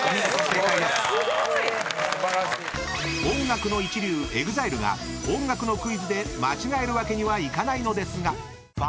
［音楽の一流ＥＸＩＬＥが音楽のクイズで間違えるわけにはいかないのですが］